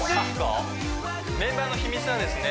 メンバーの秘密ですか？